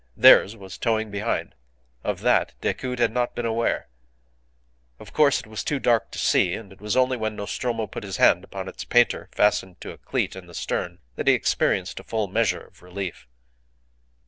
Theirs was towing behind. Of that Decoud had not been aware. Of course, it was too dark to see, and it was only when Nostromo put his hand upon its painter fastened to a cleat in the stern that he experienced a full measure of relief.